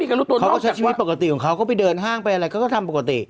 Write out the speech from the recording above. เขาก็ใช้ชีวิตปกติของเขาก็ไปเดินห้างไปอะไรเขาก็ทำปกติ